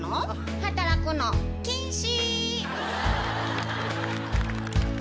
働くの禁止！